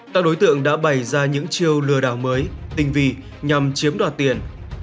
các đối tượng đã bày ra những chiêu lừa đảo mới tinh vị nhằm chiếm đoạt tiền